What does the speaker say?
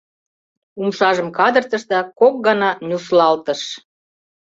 Умшажым кадыртыш да кок гана нюслалтыш.